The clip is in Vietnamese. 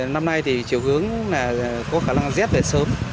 năm nay thì chiều hướng là có khả năng rét về sớm